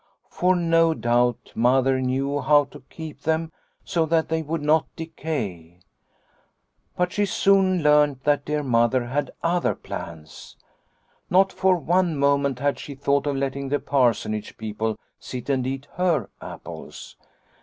For no doubt Mother knew how to keep them so that they would not decay. But she soon learnt that dear Mother had other plans. Not for one moment had she thought of letting the Parsonage people sit and eat her apples.